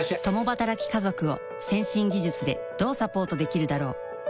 共働き家族を先進技術でどうサポートできるだろう？